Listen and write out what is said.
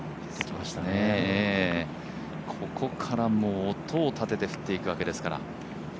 ここから、音を立てて降っていくわけですから。